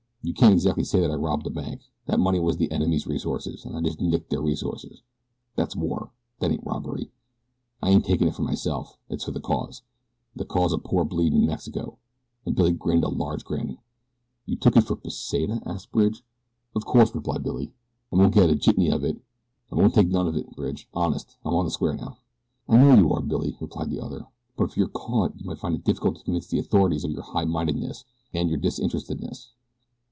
You can't exactly say that I robbed a bank. That money was the enemy's resources, an' I just nicked their resources. That's war. That ain't robbery. I ain't takin' it for myself it's for the cause the cause o' poor, bleedin' Mexico," and Billy grinned a large grin. "You took it for Pesita?" asked Bridge. "Of course," replied Billy. "I won't get a jitney of it. I wouldn't take none of it, Bridge, honest. I'm on the square now." "I know you are, Billy," replied the other; "but if you're caught you might find it difficult to convince the authorities of your highmindedness and your disinterestedness."